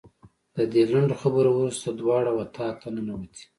د دې لنډو خبرو وروسته دواړه اتاق ته ننوتې.